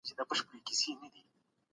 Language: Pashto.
بهرنۍ پالیسي د هیواد د ملي ثبات ضامن وي.